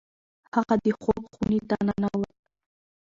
هغه د خوب خونې ته ننوت.